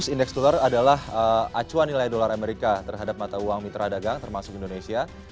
indeks dolar adalah acuan nilai dolar amerika terhadap mata uang mitra dagang termasuk indonesia